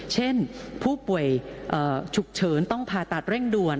เช่นผู้ป่วยฉุกเฉินต้องผ่าตัดเร่งด่วน